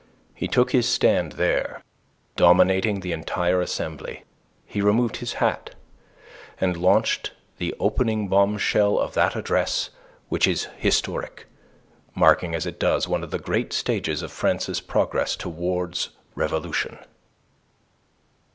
He took his stand there, dominating the entire assembly. He removed his hat, and launched the opening bombshell of that address which is historic, marking as it does one of the great stages of France's progress towards revolution.